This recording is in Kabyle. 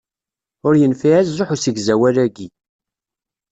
Ur yenfiɛ azuḥ usegzawal-ayi.